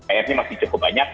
akhirnya masih cukup banyak